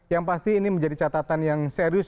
yang pasti ini menjadi catatan yang serius